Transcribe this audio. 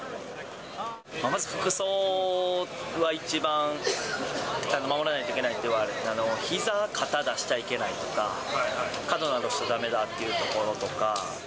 まず服装は一番、守らないといけない、ひざ、肩出しちゃいけないとか、過度な露出がだめだというところだとか。